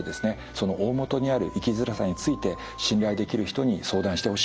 その大本にある生きづらさについて信頼できる人に相談してほしいと思っています。